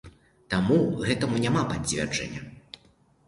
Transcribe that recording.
Таму гэтаму няма пацвярджэння.